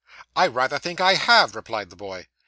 'I rather think I have!' replied the boy.